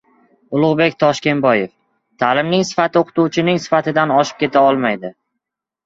Ulug‘bek Toshkenboyev: «Ta’limning sifati o‘qituvchining sifatidan oshib keta olmaydi»